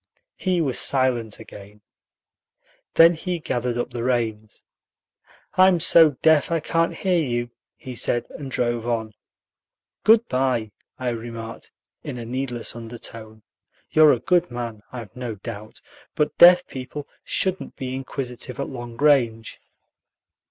He was silent again. Then he gathered up the reins. "I'm so deaf I can't hear you," he said, and drove on. "Good by," I remarked, in a needless undertone; "you're a good man, I've no doubt, but deaf people shouldn't be inquisitive at long range."